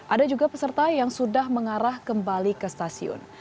ada juga peserta yang sudah mengarah kembali ke stasiun